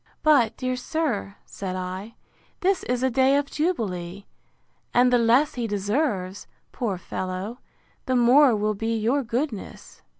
But, dear sir, said I, this is a day of jubilee; and the less he deserves, poor fellow, the more will be your goodness.